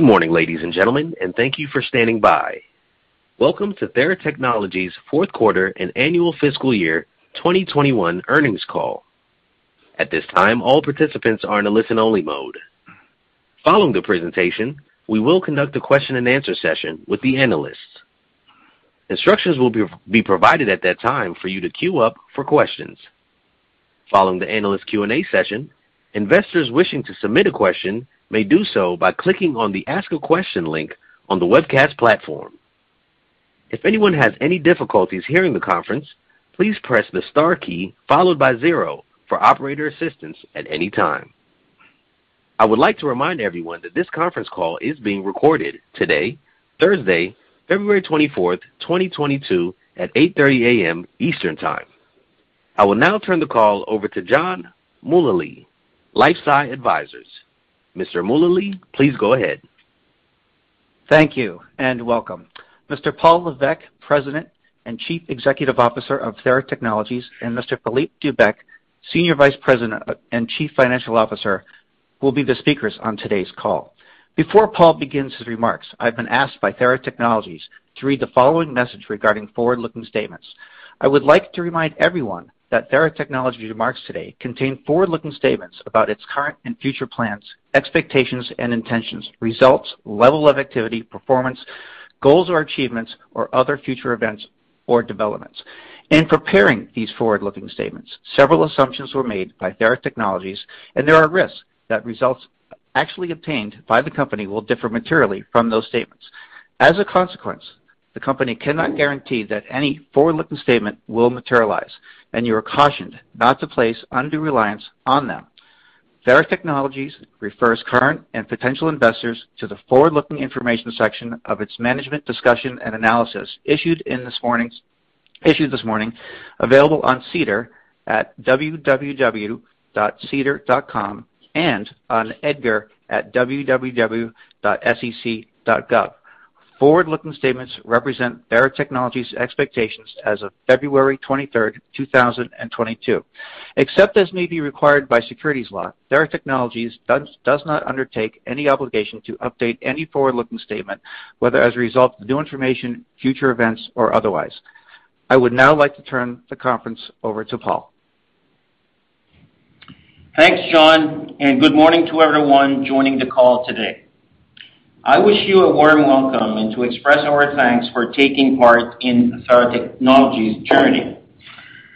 Good morning, ladies and gentlemen, and thank you for standing by. Welcome to Theratechnologies fourth quarter and annual fiscal year 2021 earnings call. At this time, all participants are in a listen-only mode. Following the presentation, we will conduct a question-and-answer session with the analysts. Instructions will be provided at that time for you to queue up for questions. Following the analyst Q&A session, investors wishing to submit a question may do so by clicking on the Ask a Question link on the webcast platform. If anyone has any difficulties hearing the conference, please press the star key followed by zero for operator assistance at any time. I would like to remind everyone that this conference call is being recorded today, Thursday, February 24th, 2022 at 8 P.M. Eastern Time. I will now turn the call over to John Mullaly, LifeSci Advisors. Mr. Mullaly, please go ahead. Thank you, and welcome. Mr. Paul Lévesque, President and Chief Executive Officer of Theratechnologies, and Mr. Philippe Dubuc, Senior Vice President and Chief Financial Officer, will be the speakers on today's call. Before Paul begins his remarks, I've been asked by Theratechnologies to read the following message regarding forward-looking statements. I would like to remind everyone that Theratechnologies remarks today contain forward-looking statements about its current and future plans, expectations and intentions, results, level of activity, performance, goals or achievements, or other future events or developments. In preparing these forward-looking statements, several assumptions were made by Theratechnologies, and there are risks that results actually obtained by the company will differ materially from those statements. As a consequence, the company cannot guarantee that any forward-looking statement will materialize, and you are cautioned not to place undue reliance on them. Theratechnologies refers current and potential investors to the forward-looking information section of its management discussion and analysis issued this morning, available on SEDAR at www.sedar.com and on EDGAR at www.sec.gov. Forward-looking statements represent Theratechnologies expectations as of February 23rd, 2022. Except as may be required by securities law, Theratechnologies does not undertake any obligation to update any forward-looking statement, whether as a result of new information, future events or otherwise. I would now like to turn the conference over to Paul Lévesque. Thanks, John, and good morning to everyone joining the call today. I wish you a warm welcome and want to express our thanks for taking part in Theratechnologies journey.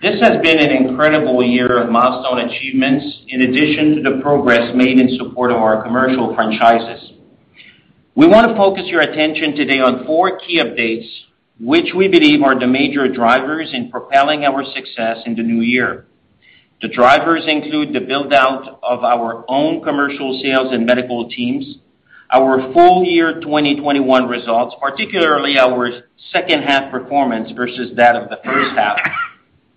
This has been an incredible year of milestone achievements in addition to the progress made in support of our commercial franchises. We wanna focus your attention today on four key updates, which we believe are the major drivers in propelling our success in the new year. The drivers include the build-out of our own commercial sales and medical teams, our full-year 2021 results, particularly our second half performance versus that of the first half,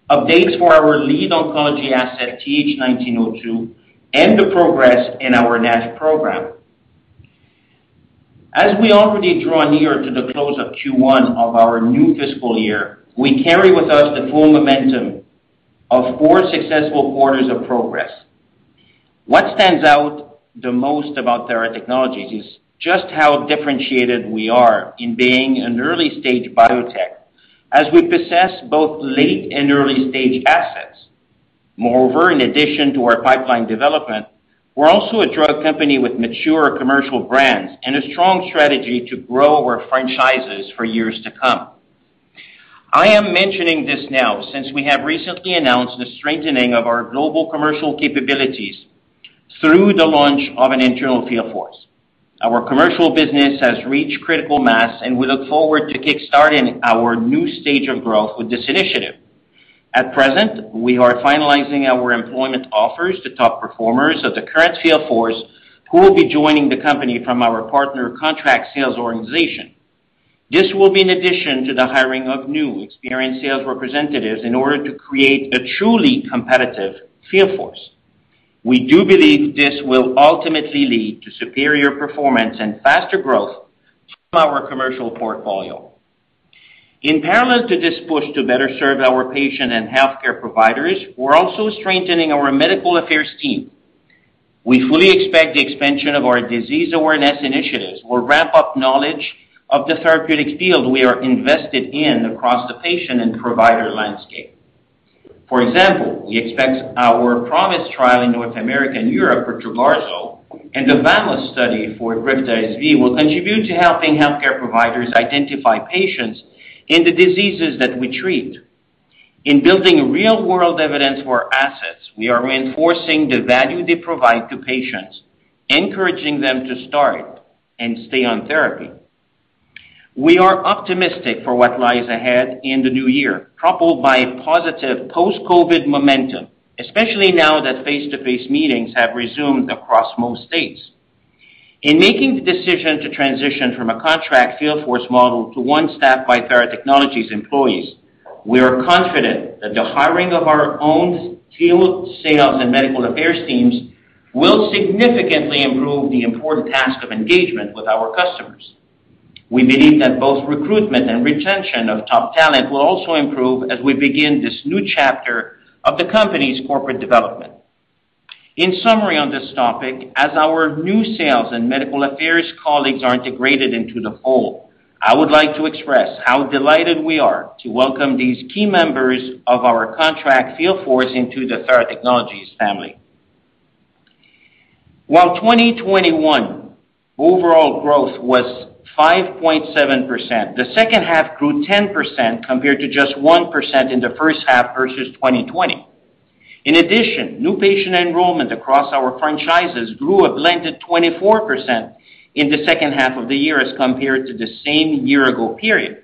updates for our lead oncology asset, TH1902, and the progress in our NASH program. As we already draw near to the close of Q1 of our new fiscal year, we carry with us the full momentum of four successful quarters of progress. What stands out the most about Theratechnologies is just how differentiated we are in being an early-stage biotech as we possess both late and early-stage assets. Moreover, in addition to our pipeline development, we're also a drug company with mature commercial brands and a strong strategy to grow our franchises for years to come. I am mentioning this now since we have recently announced the strengthening of our global commercial capabilities through the launch of an internal field force. Our commercial business has reached critical mass, and we look forward to kick-starting our new stage of growth with this initiative. At present, we are finalizing our employment offers to top performers of the current field force who will be joining the company from our partner contract sales organization. This will be in addition to the hiring of new experienced sales representatives in order to create a truly competitive field force. We do believe this will ultimately lead to superior performance and faster growth from our commercial portfolio. In parallel to this push to better serve our patient and healthcare providers, we're also strengthening our medical affairs team. We fully expect the expansion of our disease awareness initiatives will ramp up knowledge of the therapeutic field we are invested in across the patient and provider landscape. For example, we expect our PROMISE trial in North America and Europe for Trogarzo and the VAMOS study for EGRIFTA SV will contribute to helping healthcare providers identify patients in the diseases that we treat. In building real-world evidence for assets, we are reinforcing the value they provide to patients, encouraging them to start and stay on therapy. We are optimistic for what lies ahead in the new year, propelled by positive post-COVID momentum, especially now that face-to-face meetings have resumed across most states. In making the decision to transition from a contract field force model to one staffed by Theratechnologies employees, we are confident that the hiring of our own field sales and medical affairs teams will significantly improve the important task of engagement with our customers. We believe that both recruitment and retention of top talent will also improve as we begin this new chapter of the company's corporate development. In summary on this topic, as our new sales and medical affairs colleagues are integrated into the whole, I would like to express how delighted we are to welcome these key members of our contract field force into the Theratechnologies family. While 2021 overall growth was 5.7%, the second half grew 10% compared to just 1% in the first half versus 2020. In addition, new patient enrollment across our franchises grew a blended 24% in the second half of the year as compared to the same year ago period.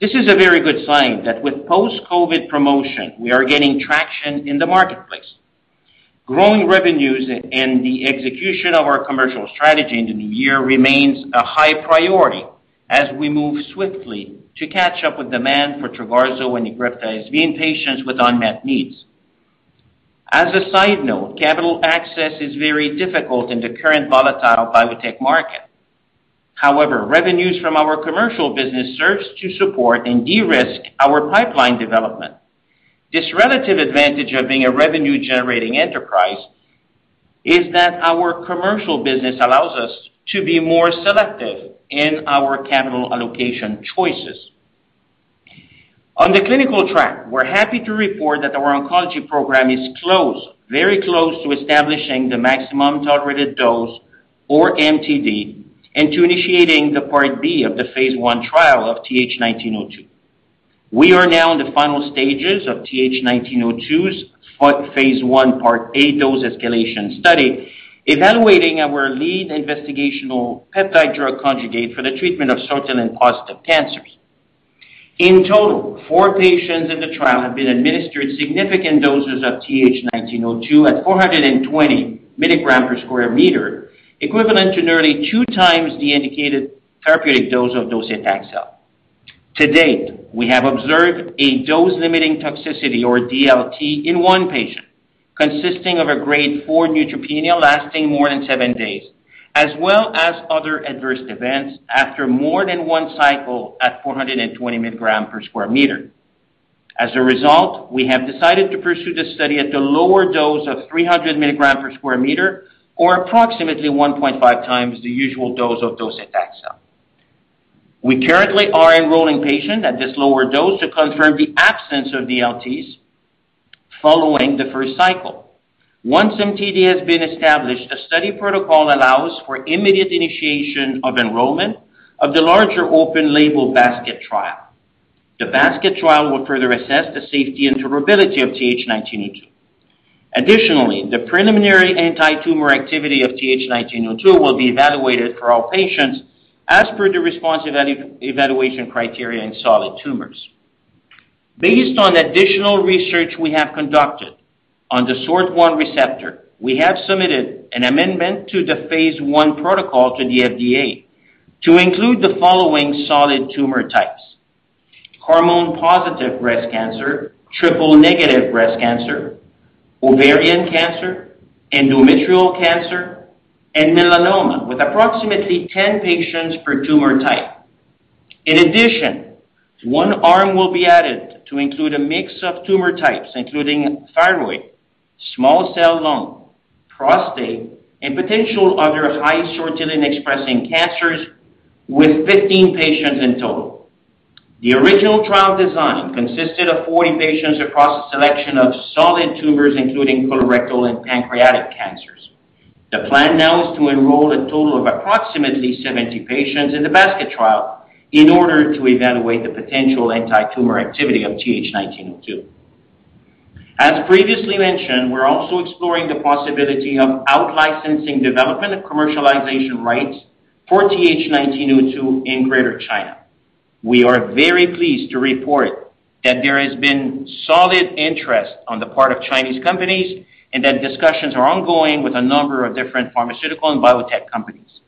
This is a very good sign that with post-COVID-19 promotion, we are gaining traction in the marketplace. Growing revenues and the execution of our commercial strategy into the year remains a high priority as we move swiftly to catch up with demand for Trogarzo and EGRIFTA SV patients with unmet needs. As a side note, capital access is very difficult in the current volatile biotech market. However, revenues from our commercial business serves to support and de-risk our pipeline development. This relative advantage of being a revenue-generating enterprise is that our commercial business allows us to be more selective in our capital allocation choices. On the clinical track, we're happy to report that our oncology program is close, very close to establishing the maximum tolerated dose or MTD, and to initiating the Part B of the phase I trial of TH1902. We are now in the final stages of TH1902's phase I Part A dose escalation study, evaluating our lead investigational peptide drug conjugate for the treatment of SORT1-positive cancers. In total, four patients in the trial have been administered significant doses of TH1902 at 420 milligrams per square meter, equivalent to nearly 2x the indicated therapeutic dose of docetaxel. To date, we have observed a dose-limiting toxicity, or DLT, in one patient, consisting of a grade four neutropenia lasting more than seven days, as well as other adverse events after more than one cycle at 420 mg/m². As a result, we have decided to pursue this study at the lower dose of 300 mg/m², or approximately 1.5x the usual dose of docetaxel. We currently are enrolling patients at this lower dose to confirm the absence of DLTs following the first cycle. Once MTD has been established, a study protocol allows for immediate initiation of enrollment of the larger open label basket trial. The basket trial will further assess the safety and tolerability of TH1902. Additionally, the preliminary antitumor activity of TH1902 will be evaluated for all patients as per the response evaluation criteria in solid tumors. Based on additional research we have conducted on the sortilin receptor, we have submitted an amendment to the phase I protocol to the FDA to include the following solid tumor types, hormone positive breast cancer, triple-negative breast cancer, ovarian cancer, endometrial cancer, and melanoma, with approximately 10 patients per tumor type. In addition, one arm will be added to include a mix of tumor types, including thyroid, small cell lung, prostate, and potential other high sortilin expressing cancers with 15 patients in total. The original trial design consisted of 40 patients across a selection of solid tumors, including colorectal and pancreatic cancers. The plan now is to enroll a total of approximately 70 patients in the basket trial in order to evaluate the potential antitumor activity of TH1902. As previously mentioned, we're also exploring the possibility of out-licensing development and commercialization rights for TH1902 in Greater China. We are very pleased to report that there has been solid interest on the part of Chinese companies and that discussions are ongoing with a number of different pharmaceutical and biotech companies.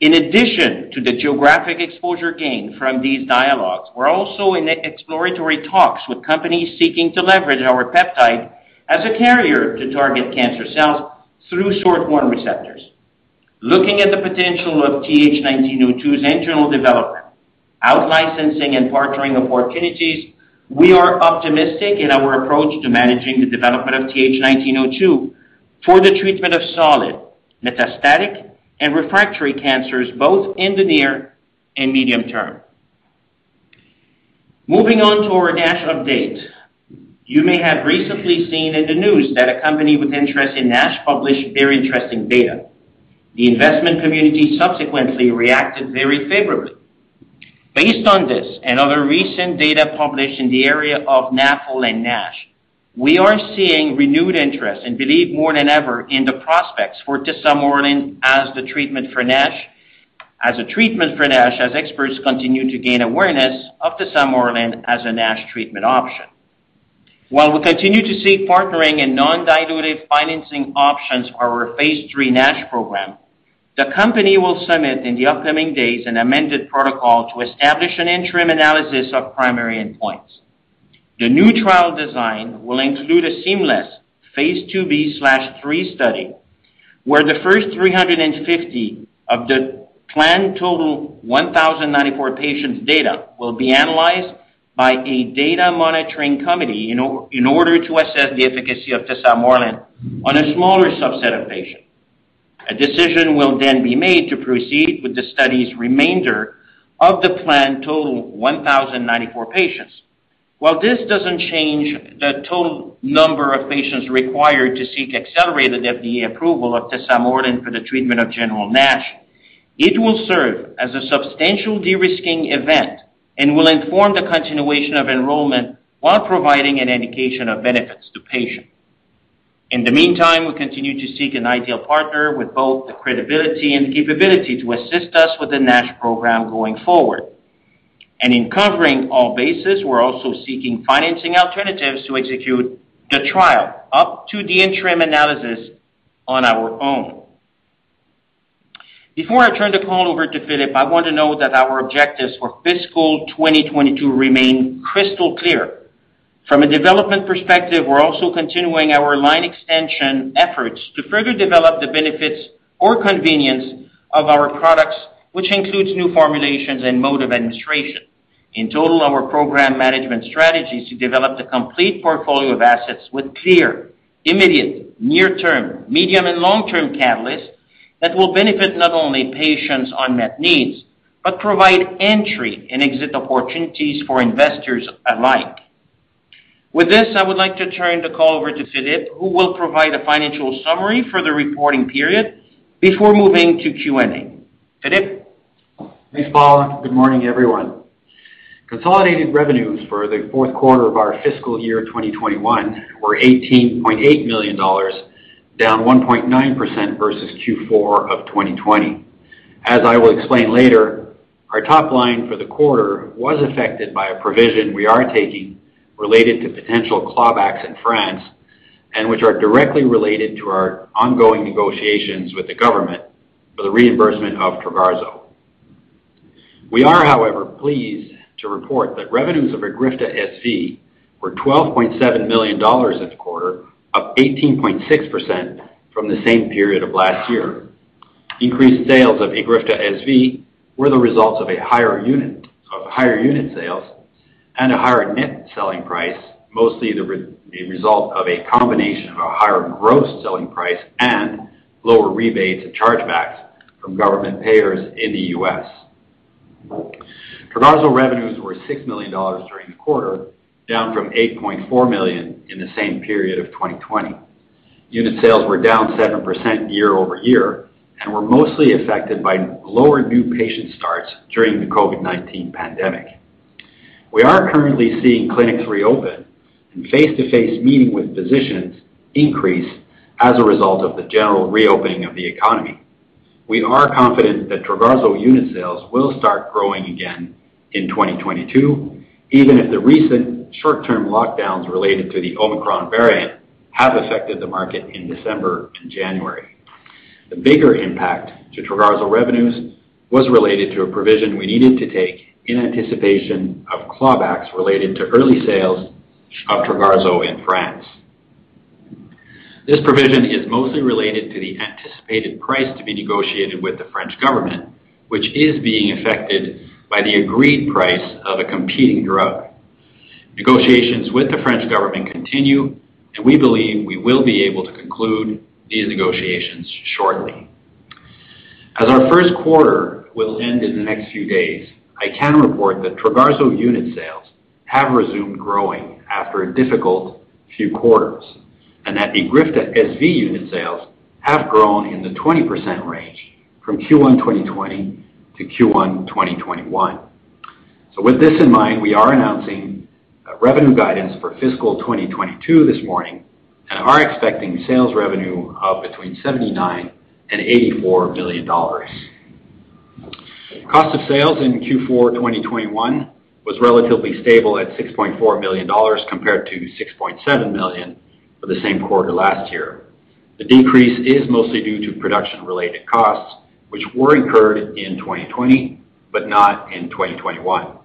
In addition to the geographic exposure gain from these dialogues, we're also in exploratory talks with companies seeking to leverage our peptide as a carrier to target cancer cells through SORT1 receptors. Looking at the potential of TH1902's internal development, out-licensing and partnering opportunities, we are optimistic in our approach to managing the development of TH1902 for the treatment of solid, metastatic and refractory cancers, both in the near and medium term. Moving on to our NASH update. You may have recently seen in the news that a company with interest in NASH published very interesting data. The investment community subsequently reacted very favorably. Based on this and other recent data published in the area of NAFL and NASH, we are seeing renewed interest and believe more than ever in the prospects for Tesamorelin as a treatment for NASH, as experts continue to gain awareness of Tesamorelin as a NASH treatment option. While we continue to seek partnering and non-dilutive financing options for our phase III NASH program, the company will submit in the upcoming days an amended protocol to establish an interim analysis of primary endpoints. The new trial design will include a seamless phase IIb/III study, where the first 350 of the planned total 1,094 patients' data will be analyzed by a data monitoring committee in order to assess the efficacy of Tesamorelin on a smaller subset of patients. A decision will then be made to proceed with the study's remainder of the planned total 1,094 patients. While this doesn't change the total number of patients required to seek accelerated FDA approval of Tesamorelin for the treatment of general NASH, it will serve as a substantial de-risking event and will inform the continuation of enrollment while providing an indication of benefits to patients. In the meantime, we continue to seek an ideal partner with both the credibility and capability to assist us with the NASH program going forward. In covering all bases, we're also seeking financing alternatives to execute the trial up to the interim analysis on our own. Before I turn the call over to Philippe, I want to note that our objectives for fiscal 2022 remain crystal clear. From a development perspective, we're also continuing our line extension efforts to further develop the benefits or convenience of our products, which includes new formulations and mode of administration. In total, our program management strategy is to develop the complete portfolio of assets with clear, immediate, near-term, medium, and long-term catalysts that will benefit not only patients' unmet needs, but provide entry and exit opportunities for investors alike. With this, I would like to turn the call over to Philippe, who will provide a financial summary for the reporting period before moving to Q&A. Philippe? Thanks, Paul. Good morning, everyone. Consolidated revenues for the fourth quarter of our fiscal year 2021 were $18.8 million, down 1.9% versus Q4 of 2020. As I will explain later, our top line for the quarter was affected by a provision we are taking related to potential clawbacks in France and which are directly related to our ongoing negotiations with the government for the reimbursement of Trogarzo. We are, however, pleased to report that revenues of EGRIFTA SV were $12.7 million this quarter, up 18.6% from the same period of last year. Increased sales of EGRIFTA SV were the results of higher unit sales and a higher net selling price, mostly the result of a combination of a higher gross selling price and lower rebates and chargebacks from government payers in the US Trogarzo revenues were $6 million during the quarter, down from $8.4 million in the same period of 2020. Unit sales were down 7% year-over-year and were mostly affected by lower new patient starts during the COVID-19 pandemic. We are currently seeing clinics reopen and face-to-face meeting with physicians increase as a result of the general reopening of the economy. We are confident that Trogarzo unit sales will start growing again in 2022, even if the recent short-term lockdowns related to the Omicron variant have affected the market in December and January. The bigger impact to Trogarzo revenues was related to a provision we needed to take in anticipation of clawbacks related to early sales of Trogarzo in France. This provision is mostly related to the anticipated price to be negotiated with the French government, which is being affected by the agreed price of a competing drug. Negotiations with the French government continue, and we believe we will be able to conclude these negotiations shortly. As our first quarter will end in the next few days, I can report that Trogarzo unit sales have resumed growing after a difficult few quarters, and that EGRIFTA SV unit sales have grown in the 20% range from Q1 2020 to Q1 2021. With this in mind, we are announcing a revenue guidance for fiscal 2022 this morning and are expecting sales revenue of between $79 million and $84 million. Cost of sales in Q4 2021 was relatively stable at $6.4 million compared to $6.7 million for the same quarter last year. The decrease is mostly due to production-related costs, which were incurred in 2020 but not in 2021.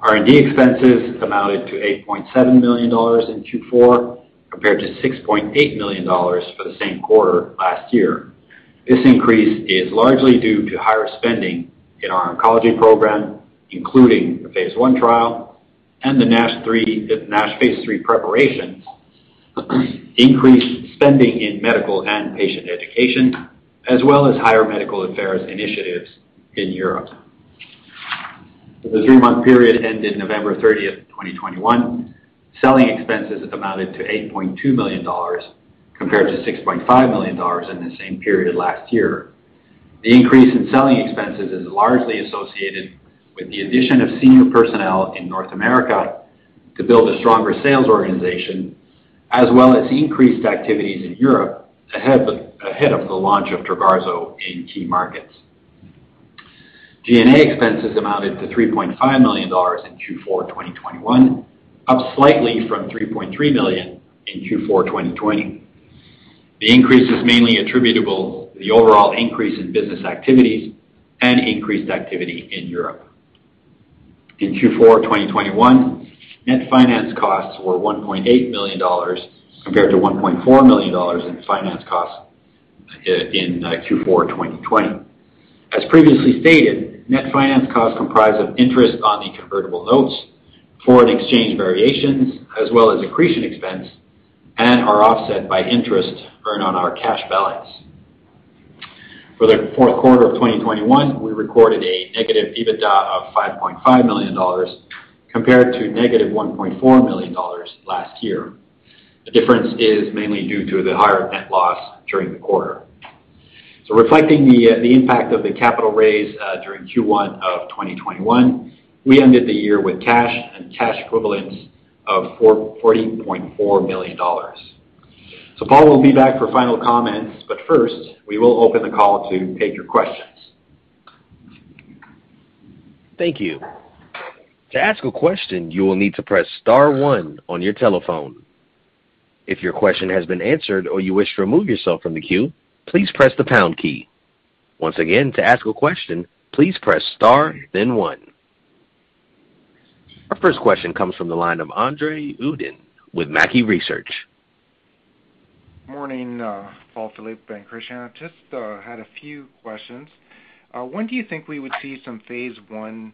R&D expenses amounted to $8.7 million in Q4 compared to $6.8 million for the same quarter last year. This increase is largely due to higher spending in our oncology program, including the phase I trial and the NASH phase III preparations, increased spending in medical and patient education, as well as higher medical affairs initiatives in Europe. For the three month period ended November 30th, 2021, selling expenses amounted to $8.2 million compared to $6.5 million in the same period last year. The increase in selling expenses is largely associated with the addition of senior personnel in North America to build a stronger sales organization as well as increased activities in Europe ahead of the launch of Trogarzo in key markets. G&A expenses amounted to $3.5 million in Q4 2021, up slightly from $3.3 million in Q4 2020. The increase is mainly attributable to the overall increase in business activities and increased activity in Europe. In Q4 of 2021, net finance costs were $1.8 million compared to $1.4 million in finance costs in Q4 2020. As previously stated, net finance costs comprise of interest on the convertible notes, foreign exchange variations, as well as accretion expense and are offset by interest earned on our cash balance. For the fourth quarter of 2021, we recorded a negative EBITDA of $5.5 million compared to negative $1.4 million last year. The difference is mainly due to the higher net loss during the quarter. Reflecting the impact of the capital raise during Q1 of 2021, we ended the year with cash and cash equivalents of $40.4 million. Paul will be back for final comments, but first, we will open the call to take your questions. Our first question comes from the line of Andre Uddin with Mackie Research. Morning, Paul, Philippe, and Christian. I just had a few questions. When do you think we would see some phase I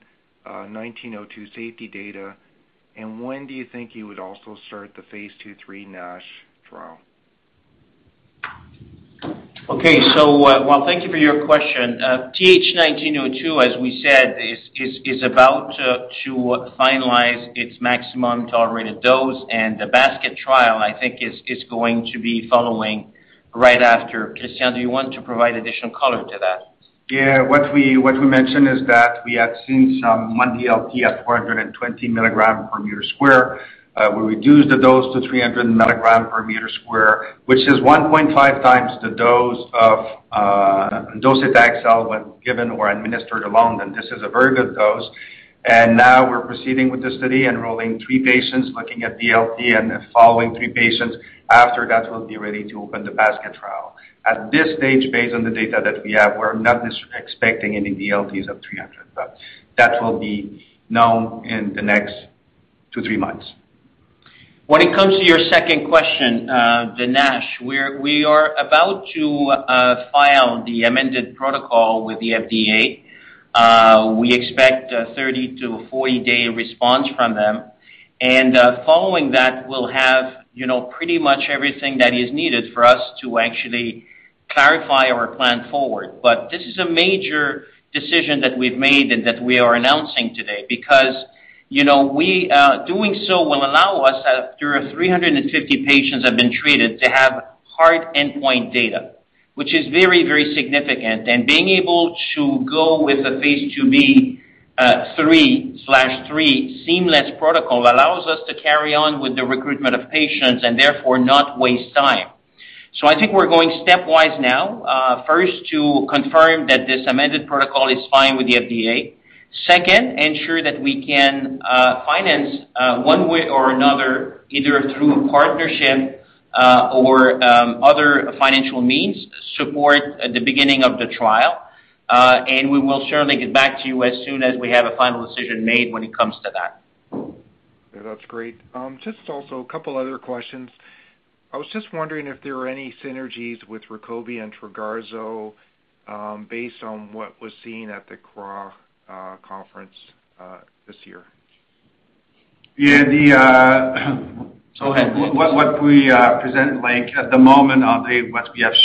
TH1902 safety data? When do you think you would also start the phase II/III NASH trial? Okay. Well, thank you for your question. TH1902, as we said, is about to finalize its maximum tolerated dose, and the basket trial, I think, is going to be following right after. Christian, do you want to provide additional color to that? What we mentioned is that we have seen one DLT at 420 mg/m². We reduced the dose to 300 mg/m², which is 1.5x the dose of docetaxel when given or administered alone, and this is a very good dose. Now we're proceeding with the study, enrolling three patients, looking at DLT, and then following three patients. After that, we'll be ready to open the basket trial. At this stage, based on the data that we have, we're not expecting any DLTs at 300, but that will be known in the next two to three months. When it comes to your second question, the NASH, we are about to file the amended protocol with the FDA. We expect a 30 to 40 day response from them. Following that, we'll have, you know, pretty much everything that is needed for us to actually clarify our plan forward. This is a major decision that we've made and that we are announcing today because, you know, doing so will allow us, after 350 patients have been treated, to have hard endpoint data, which is very, very significant. Being able to go with a phase IIb/III seamless protocol allows us to carry on with the recruitment of patients and therefore not waste time. I think we're going stepwise now, first to confirm that this amended protocol is fine with the FDA. Second, ensure that we can finance one way or another, either through partnership or other financial means, support the beginning of the trial. We will certainly get back to you as soon as we have a final decision made when it comes to that. Yeah, that's great. Just also a couple other questions. I was just wondering if there are any synergies with RUKOBIA and Trogarzo, based on what was seen at the CROI conference this year? Yeah. The Go ahead. What we have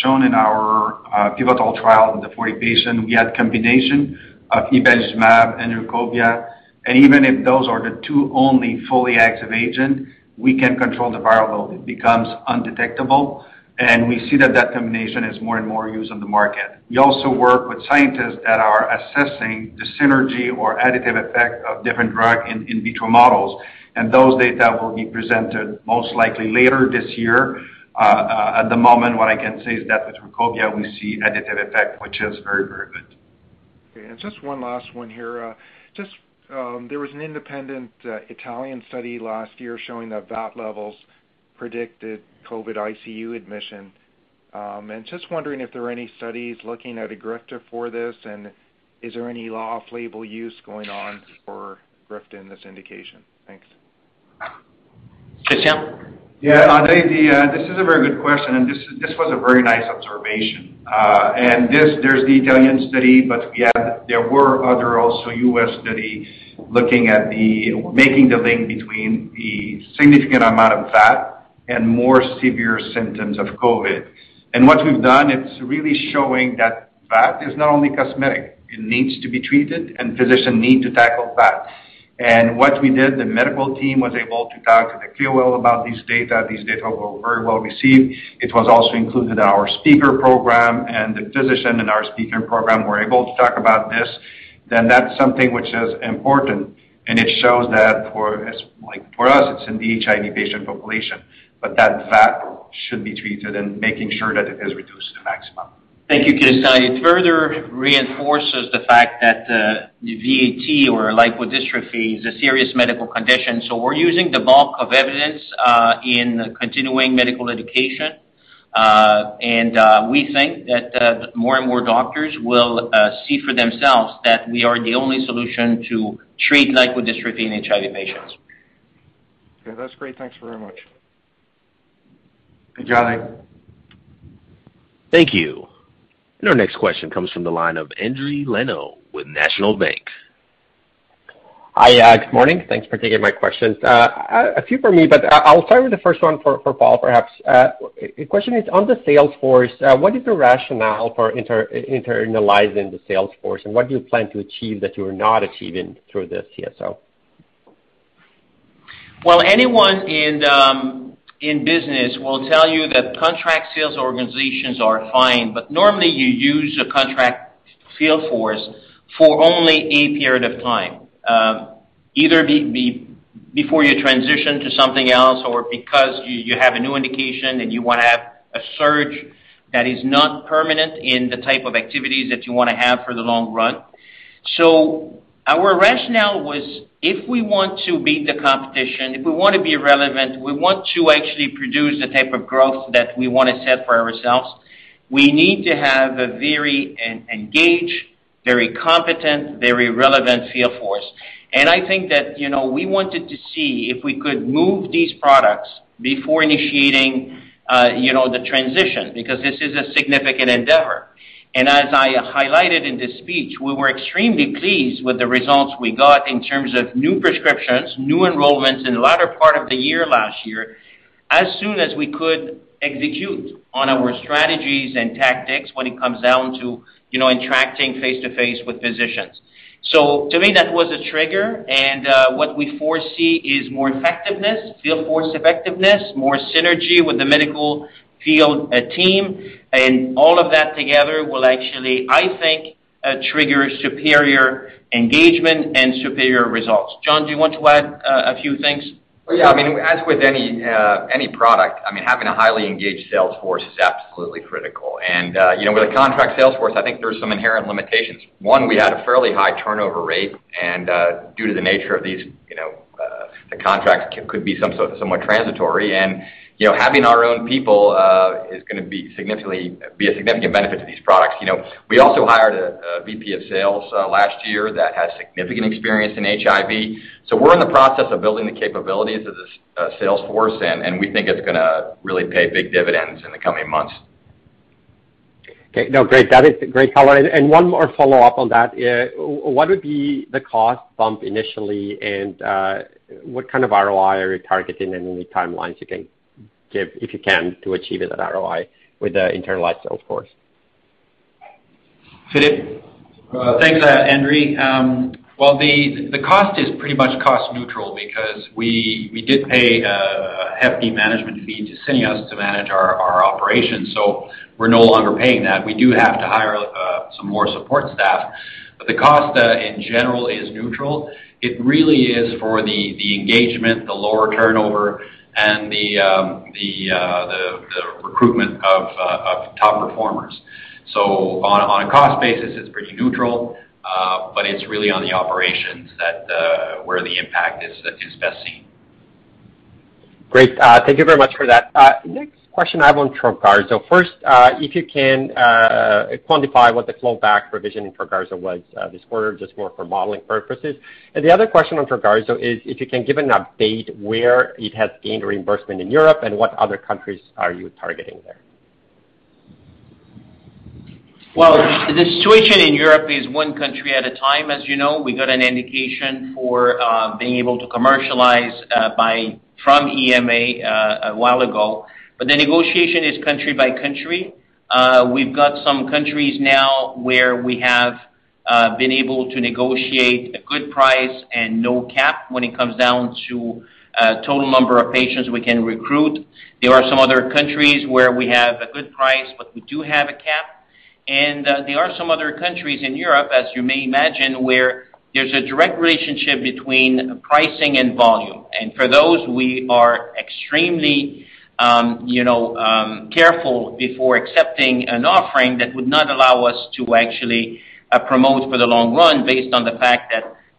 shown in our pivotal trial with the 40 patients, we had combination of ibalizumab and RUKOBIA. Even if those are the two only fully active agent, we can control the viral load. It becomes undetectable, and we see that combination is more and more used on the market. We also work with scientists that are assessing the synergy or additive effect of different drug in vitro models, and those data will be presented most likely later this year. At the moment, what I can say is that with RUKOBIA, we see additive effect, which is very good. Okay. Just one last one here. There was an independent Italian study last year showing that VAT levels predicted COVID ICU admission. Just wondering if there are any studies looking at EGRIFTA for this, and is there any off-label use going on for EGRIFTA in this indication? Thanks. Christian? Yeah. Andre, this is a very good question, and this was a very nice observation. There's the Italian study, but there were other US studies looking at making the link between the significant amount of fat and more severe symptoms of COVID-19. What we've done, it's really showing that fat is not only cosmetic, it needs to be treated, and physicians need to tackle fat. What we did, the medical team was able to talk to the KOLs about this data. These data were very well received. It was also included in our speaker program, and the physician in our speaker program were able to talk about this. That's something which is important, and it shows that for, as, like, for us, it's in the HIV patient population. That fat should be treated and making sure that it is reduced. Thank you, Christian. It further reinforces the fact that the VAT or lipodystrophy is a serious medical condition, so we're using the bulk of evidence in continuing medical education. We think that more and more doctors will see for themselves that we are the only solution to treat lipodystrophy in HIV patients. Okay, that's great. Thanks very much. Thank you. Thank you. Our next question comes from the line of Endri Leno with National Bank. Hi. Good morning. Thanks for taking my questions. A few for me, but I'll start with the first one for Paul perhaps. The question is on the sales force. What is the rationale for internalizing the sales force? What do you plan to achieve that you're not achieving through the CSO? Well, anyone in business will tell you that contract sales organizations are fine, but normally you use a contract field force for only a period of time, either before you transition to something else or because you have a new indication and you wanna have a surge that is not permanent in the type of activities that you wanna have for the long run. Our rationale was if we want to beat the competition, if we wanna be relevant, we want to actually produce the type of growth that we wanna set for ourselves, we need to have a very engaged, very competent, very relevant field force. I think that, you know, we wanted to see if we could move these products before initiating, you know, the transition because this is a significant endeavor. As I highlighted in the speech, we were extremely pleased with the results we got in terms of new prescriptions, new enrollments in the latter part of the year last year as soon as we could execute on our strategies and tactics when it comes down to, you know, interacting face-to-face with physicians. To me, that was a trigger, and what we foresee is more effectiveness, field force effectiveness, more synergy with the medical field team. All of that together will actually, I think, trigger superior engagement and superior results. John, do you want to add a few things? Oh, yeah. I mean, as with any product, I mean, having a highly engaged sales force is absolutely critical. You know, with a contract sales force, I think there's some inherent limitations. One, we had a fairly high turnover rate and, due to the nature of these, you know, the contract could be somewhat transitory. You know, having our own people is gonna be a significant benefit to these products. You know, we also hired a VP of sales last year that has significant experience in HIV. We're in the process of building the capabilities of the sales force and we think it's gonna really pay big dividends in the coming months. Okay. No, great. That is great color. One more follow-up on that. What would be the cost bump initially and what kind of ROI are you targeting and any timelines you can give, if you can, to achieve that ROI with the internalized sales force? Philip? Thanks, Andre. Well, the cost is pretty much cost neutral because we did pay a hefty management fee to Syneos to manage our operations. We're no longer paying that. We do have to hire some more support staff. But the cost in general is neutral. It really is for the engagement, the lower turnover and the recruitment of top performers. So on a cost basis it's pretty neutral, but it's really on the operations that's where the impact is best seen. Great. Thank you very much for that. Next question I have on Trogarzo. First, if you can quantify what the flowback provision in Trogarzo was this quarter just for modeling purposes. The other question on Trogarzo is if you can give an update where it has gained reimbursement in Europe and what other countries are you targeting there? Well, the situation in Europe is one country at a time. As you know, we got an indication for being able to commercialize from EMA a while ago. The negotiation is country by country. We've got some countries now where we have been able to negotiate a good price and no cap when it comes down to total number of patients we can recruit. There are some other countries where we have a good price, but we do have a cap. There are some other countries in Europe, as you may imagine, where there's a direct relationship between pricing and volume. For those we are extremely, you know, careful before accepting an offering that would not allow us to actually,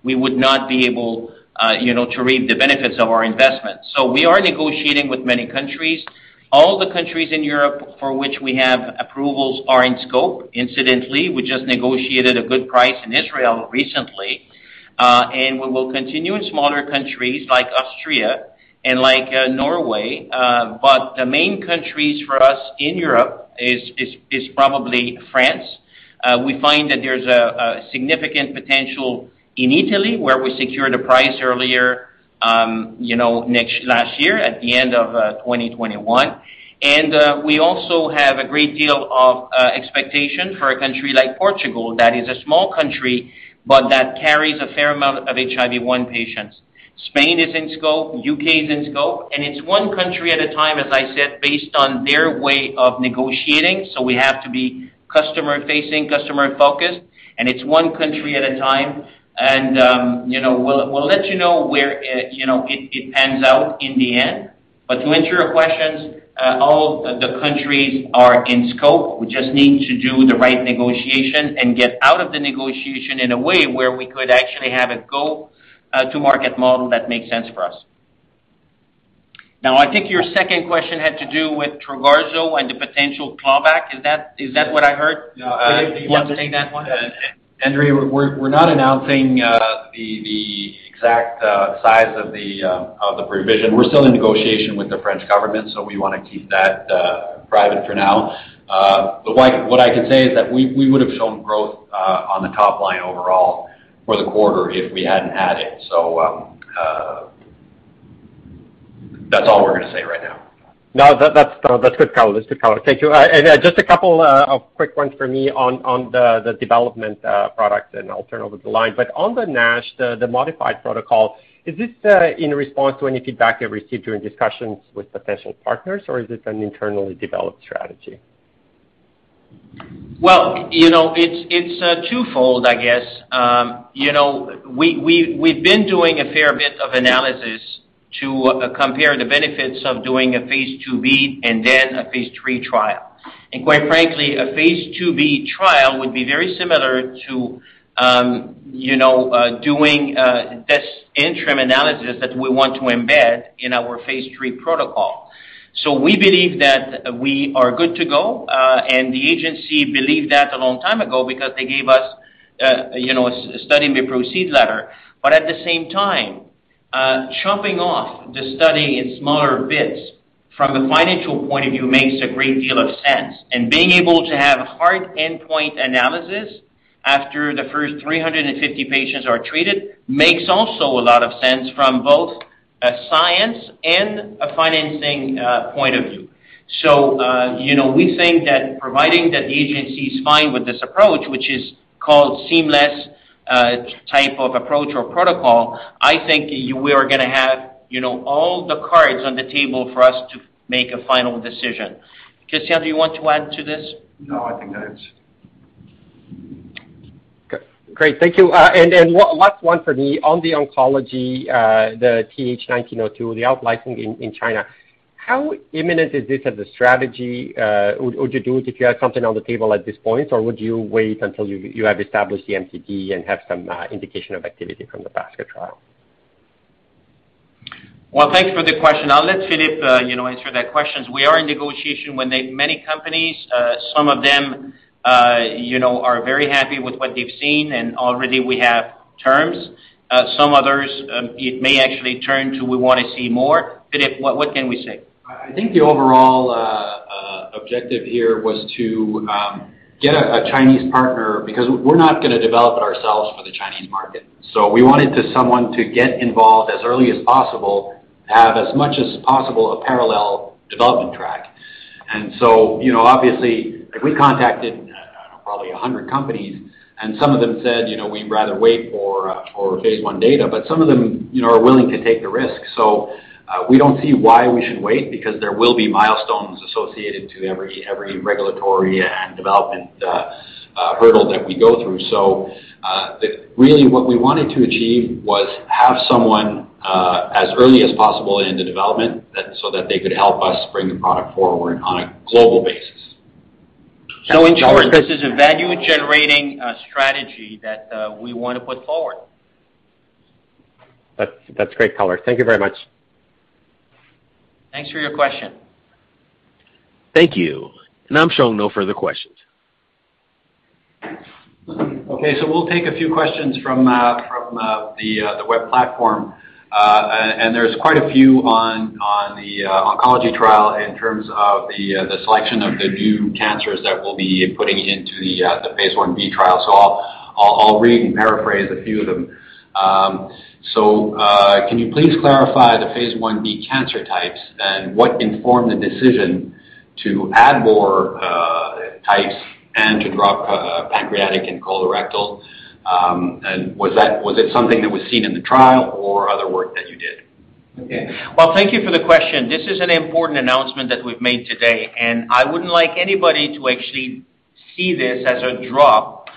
you know, to reap the benefits of our investment. We are negotiating with many countries. All the countries in Europe for which we have approvals are in scope. Incidentally, we just negotiated a good price in Israel recently. We will continue in smaller countries like Austria and like, Norway. The main countries for us in Europe is probably France. We find that there's a significant potential in Italy where we secured a price earlier, you know, last year at the end of 2021. We also have a great deal of expectation for a country like Portugal. That is a small country but that carries a fair amount of HIV-1 patients. Spain is in scope, UK is in scope, and it's one country at a time, as I said, based on their way of negotiating. We have to be customer facing, customer focused, and it's one country at a time. You know, we'll let you know where you know it pans out in the end. To answer your questions, all the countries are in scope. We just need to do the right negotiation and get out of the negotiation in a way where we could actually have a go to market model that makes sense for us. Now, I think your second question had to do with Trogarzo and the potential clawback. Is that what I heard? No. Do you want to take that one? Endri, we're not announcing the exact size of the revision. We're still in negotiation with the French government, so we wanna keep that private for now. What I can say is that we would have shown growth on the top line overall for the quarter if we hadn't had it. That's all we're gonna say right now. No. That's good color. Thank you. Just a couple quick ones for me on the development product, and I'll turn over the line. On the NASH, the modified protocol, is this in response to any feedback you received during discussions with potential partners, or is it an internally developed strategy? Well, you know, it's twofold, I guess. You know, we've been doing a fair bit of analysis to compare the benefits of doing a phase IIb and then a phase III trial. Quite frankly, a phase IIb trial would be very similar to, you know, doing this interim analysis that we want to embed in our phase III protocol. We believe that we are good to go, and the agency believed that a long time ago because they gave us, you know, a study may proceed letter. At the same time, chopping off the study in smaller bits from a financial point of view makes a great deal of sense. Being able to have hard endpoint analysis after the first 350 patients are treated makes also a lot of sense from both a science and a financing point of view. you know, we think that providing that the agency is fine with this approach, which is called seamless type of approach or protocol, I think we are gonna have, you know, all the cards on the table for us to make a final decision. Christian, do you want to add to this? No, I think that's. Great. Thank you. Last one for me. On the oncology, the TH1902, the out licensing in China, how imminent is this as a strategy? Would you do it if you had something on the table at this point, or would you wait until you have established the MTD and have some indication of activity from the basket trial? Well, thanks for the question. I'll let Philippe answer that question. We are in negotiation with many companies. Some of them are very happy with what they've seen, and already we have terms. Some others, it may actually turn to, we wanna see more. Philippe, what can we say? I think the overall objective here was to get a Chinese partner because we're not gonna develop it ourselves for the Chinese market. We wanted someone to get involved as early as possible, have as much as possible a parallel development track. You know, obviously, if we contacted probably 100 companies and some of them said, "You know, we'd rather wait for phase I data," but some of them, you know, are willing to take the risk. We don't see why we should wait because there will be milestones associated to every regulatory and development hurdle that we go through. Really, what we wanted to achieve was have someone, as early as possible in the development that so that they could help us bring the product forward on a global basis. In short, this is a value-generating strategy that we wanna put forward. That's great color. Thank you very much. Thanks for your question. Thank you. I'm showing no further questions. Okay. We'll take a few questions from the web platform. There's quite a few on the oncology trial in terms of the selection of the new cancers that we'll be putting into the phase Ib trial. I'll read and paraphrase a few of them. Can you please clarify the phase Ib cancer types and what informed the decision to add more types and to drop pancreatic and colorectal? Was it something that was seen in the trial or other work that you did? Okay. Well, thank you for the question. This is an important announcement that we've made today, and I wouldn't like anybody to actually see this as a drop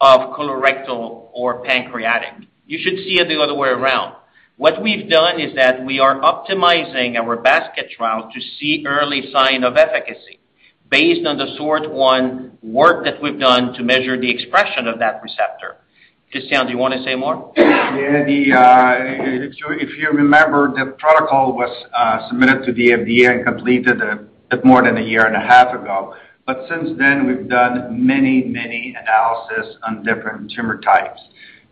of colorectal or pancreatic. You should see it the other way around. What we've done is that we are optimizing our basket trial to see early sign of efficacy based on the SORT1 work that we've done to measure the expression of that receptor. Christian, do you wanna say more? Yeah. If you remember, the protocol was submitted to the FDA and completed a bit more than a year and a half ago. Since then we've done many analyses on different tumor types.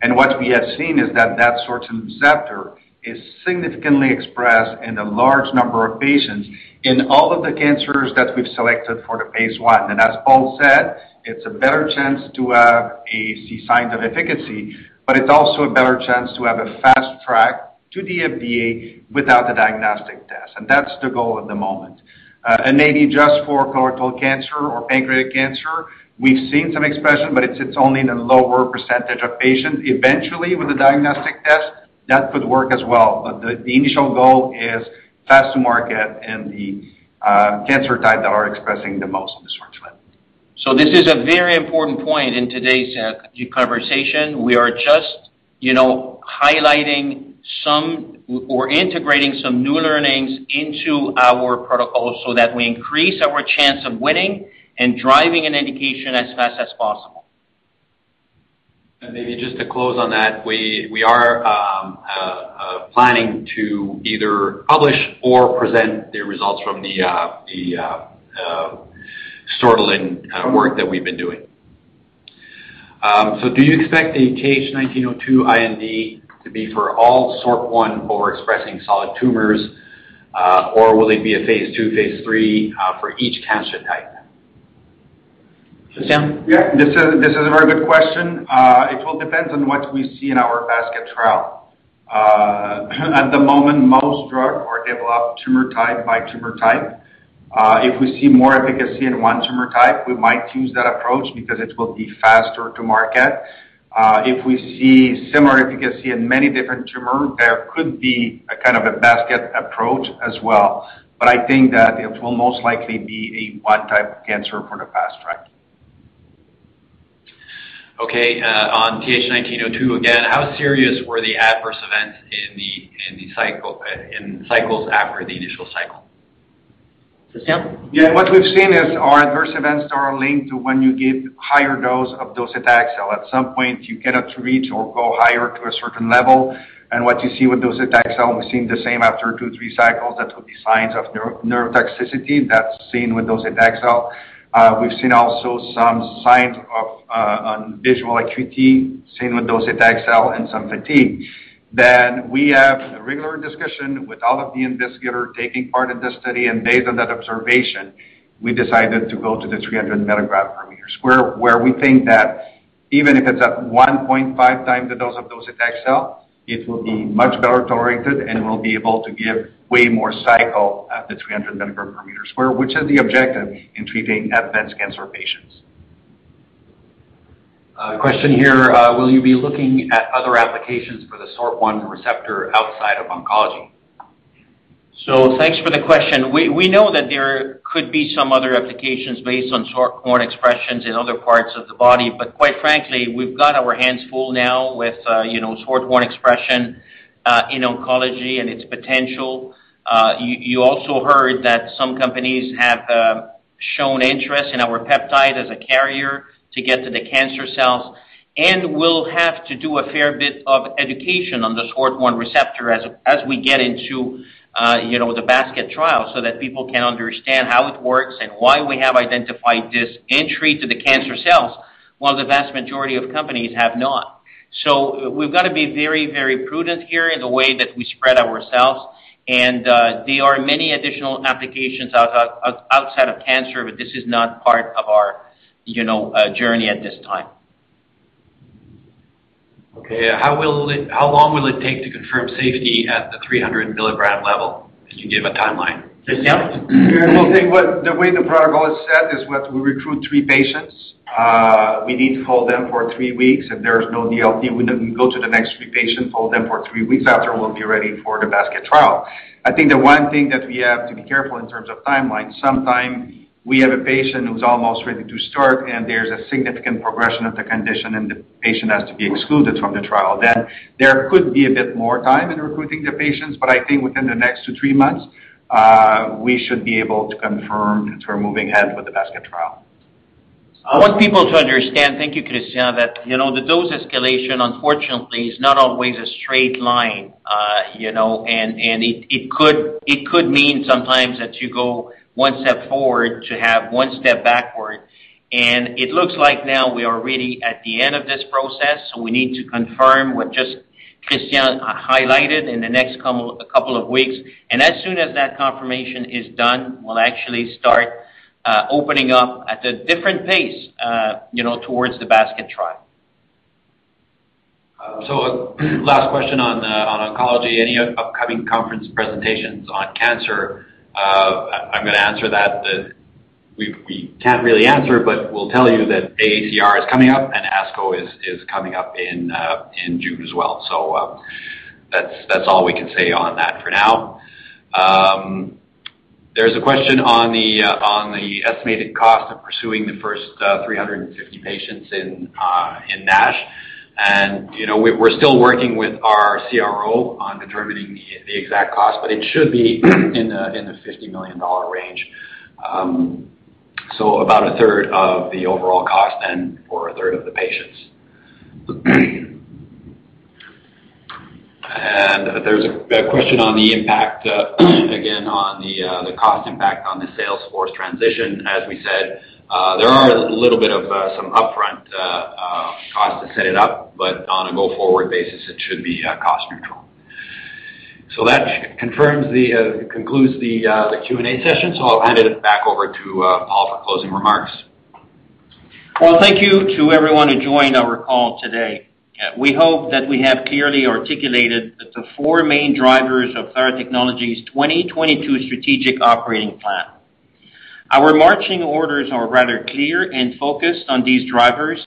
What we have seen is that the SORT1 receptor is significantly expressed in a large number of patients in all of the cancers that we've selected for the phase I. As Paul said, it's a better chance to have a sign of efficacy, but it's also a better chance to have a fast track to the FDA without the diagnostic test. That's the goal at the moment. Maybe just for colorectal cancer or pancreatic cancer, we've seen some expression, but it's only in a lower percentage of patients. Eventually, with a diagnostic test, that could work as well. The initial goal is first to market in the cancer types that are expressing the most in this one. This is a very important point in today's conversation. We are just, you know, highlighting some or integrating some new learnings into our protocol so that we increase our chance of winning and driving an indication as fast as possible. Maybe just to close on that, we are planning to either publish or present the results from the Sortilin work that we've been doing. Do you expect the TH1902 IND to be for all SORT1 overexpressing solid tumors, or will it be a phase II, phase III for each cancer type? Christian. This is a very good question. It will depend on what we see in our basket trial. At the moment, most drugs are developed tumor type by tumor type. If we see more efficacy in one tumor type, we might use that approach because it will be faster to market. If we see similar efficacy in many different tumors, there could be a kind of a basket approach as well. I think that it will most likely be the one type of cancer for the fast track. Okay. On TH1902 again. How serious were the adverse events in cycles after the initial cycle? Christian. Yeah. What we've seen is our adverse events are linked to when you give higher dose of docetaxel. At some point, you get up to reach or go higher to a certain level, and what you see with docetaxel, we've seen the same after two, three cycles. That would be signs of neurotoxicity that's seen with docetaxel. We've seen also some signs of on visual acuity, same with docetaxel and some fatigue. We have a regular discussion with all of the investigator taking part in this study, and based on that observation, we decided to go to the 300 mg/m², where we think that even if it's at 1.5x the dose of docetaxel, it will be much better tolerated and we'll be able to give way more cycle at the 300 mg/m², which is the objective in treating advanced cancer patients. Question here. Will you be looking at other applications for the SORT1 receptor outside of oncology? Thanks for the question. We know that there could be some other applications based on SORT1 expressions in other parts of the body, but quite frankly, we've got our hands full now with, you know, SORT1 expression in oncology and its potential. You also heard that some companies have shown interest in our peptide as a carrier to get to the cancer cells. We'll have to do a fair bit of education on the SORT1 receptor as we get into, you know, the basket trial, so that people can understand how it works and why we have identified this entry to the cancer cells, while the vast majority of companies have not. We've got to be very, very prudent here in the way that we spread ourselves and there are many additional applications outside of cancer, but this is not part of our, you know, journey at this time. Okay. How long will it take to confirm safety at the 300 mg level? Can you give a timeline? Christian. Yeah. Well, I think the way the protocol is set is what we recruit three patients. We need to follow them for three weeks. If there's no DLT, we then go to the next three patients, follow them for three weeks. After, we'll be ready for the basket trial. I think the one thing that we have to be careful in terms of timeline, sometimes we have a patient who's almost ready to start, and there's a significant progression of the condition, and the patient has to be excluded from the trial. Then there could be a bit more time in recruiting the patients, but I think within the next two to three months, we should be able to confirm that we're moving ahead with the basket trial. I want people to understand, thank you, Christian, that, you know, the dose escalation, unfortunately, is not always a straight line. It could mean sometimes that you go one step forward to have one step backward. It looks like now we are really at the end of this process, so we need to confirm what just Christian highlighted in the next couple of weeks. As soon as that confirmation is done, we'll actually start opening up at a different pace towards the basket trial. Last question on oncology. Any upcoming conference presentations on cancer? I'm gonna answer that we can't really answer, but we'll tell you that AACR is coming up and ASCO is coming up in June as well. That's all we can say on that for now. There's a question on the estimated cost of pursuing the first 350 patients in NASH. You know, we're still working with our CRO on determining the exact cost, but it should be in the $50 million range. So about a third of the overall cost and for a third of the patients. There's a question on the impact, again, on the cost impact on the sales force transition. As we said, there are a little bit of some upfront costs to set it up, but on a go-forward basis, it should be cost neutral. That concludes the Q&A session. I'll hand it back over to Paul for closing remarks. Well, thank you to everyone who joined our call today. We hope that we have clearly articulated the four main drivers of Theratechnologies 2022 strategic operating plan. Our marching orders are rather clear and focused on these drivers,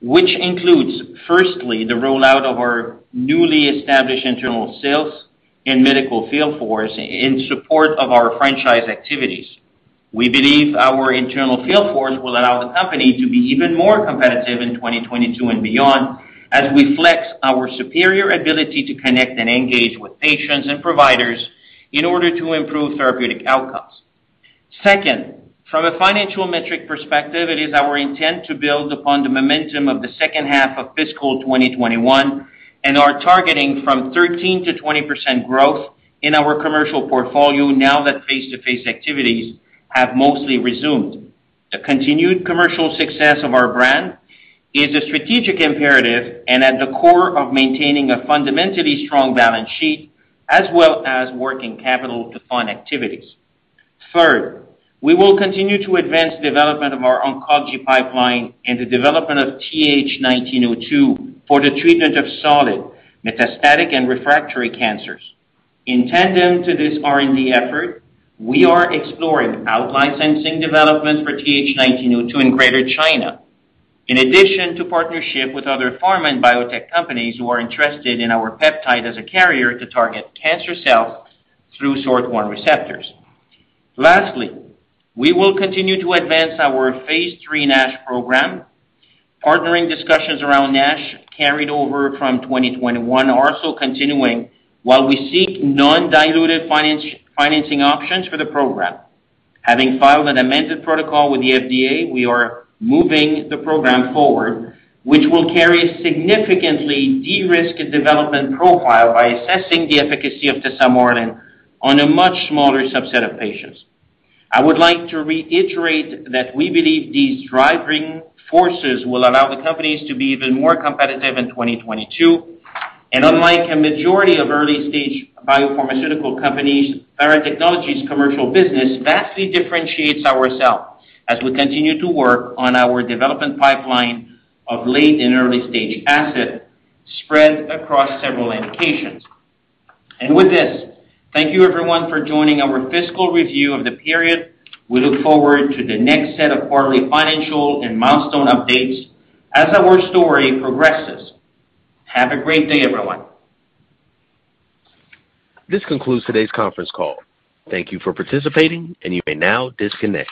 which includes firstly the rollout of our newly established internal sales and medical field force in support of our franchise activities. We believe our internal field force will allow the company to be even more competitive in 2022 and beyond as we flex our superior ability to connect and engage with patients and providers in order to improve therapeutic outcomes. Second, from a financial metric perspective, it is our intent to build upon the momentum of the second half of fiscal 2021 and are targeting 13%-20% growth in our commercial portfolio now that face-to-face activities have mostly resumed. The continued commercial success of our brand is a strategic imperative and at the core of maintaining a fundamentally strong balance sheet as well as working capital to fund activities. Third, we will continue to advance development of our oncology pipeline and the development of TH1902 for the treatment of solid metastatic and refractory cancers. In tandem to this R&D effort, we are exploring out-licensing developments for TH1902 in Greater China. In addition to partnering with other pharma and biotech companies who are interested in our peptide as a carrier to target cancer cells through sortilin receptors. Lastly, we will continue to advance our phase III NASH program. Partnering discussions around NASH carried over from 2021 are also continuing while we seek non-dilutive financing options for the program. Having filed an amended protocol with the FDA, we are moving the program forward, which will carry a significantly de-risked development profile by assessing the efficacy of Tesamorelin on a much smaller subset of patients. I would like to reiterate that we believe these driving forces will allow the company to be even more competitive in 2022. Unlike a majority of early-stage biopharmaceutical companies, Theratechnologies commercial business vastly differentiates us as we continue to work on our development pipeline of late and early-stage assets spread across several indications. With this, thank you everyone for joining our fiscal review of the period. We look forward to the next set of quarterly financial and milestone updates as our story progresses. Have a great day, everyone. This concludes today's conference call. Thank you for participating, and you may now disconnect.